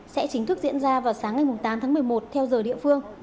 sẽ chính thức diễn ra vào sáng ngày tám tháng một mươi một theo giờ địa phương